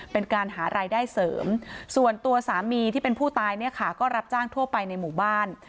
เป็นการหารายได้เสริมส่วนตัวสามีที่เป็นผู้ตายเนี่ยค่ะก็รับจ้างทั่วไปในหมู่บ้าน